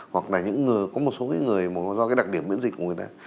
hoặc là những người có một số cái người mà do cái đặc điểm miễn dịch của người ta